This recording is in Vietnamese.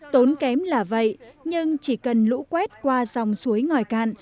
tốn kém là vậy nhưng chỉ cần lũ quét qua dòng suối ngòi cạn